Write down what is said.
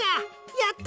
やった！